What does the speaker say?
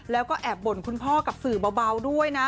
แล้วก็แอบบ่นคุณพ่อกับสื่อเบาด้วยนะ